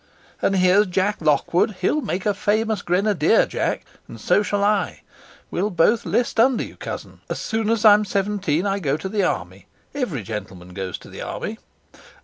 "And here's Jack Lockwood. He'll make a famous grenadier, Jack; and so shall I; we'll both 'list under you, Cousin. As soon as I'm seventeen, I go to the army every gentleman goes to the army.